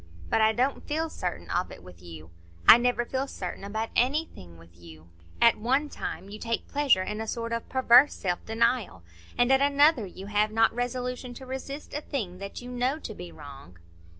But I don't feel certain of it with you; I never feel certain about anything with you. At one time you take pleasure in a sort of perverse self denial, and at another you have not resolution to resist a thing that you know to be wrong."